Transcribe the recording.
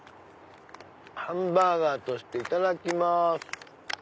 ハンバーガーとしていただきます。